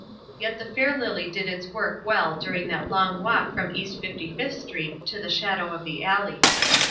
Yet the fair lily did its work well during that long walk from East Fifty fifth Street to the shadow of the alley.